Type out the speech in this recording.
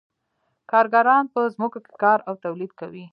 کارګران په ځمکو کې کار او تولید کوي